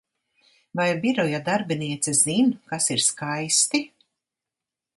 Vai biroja darbiniece zin, kas ir skaisti?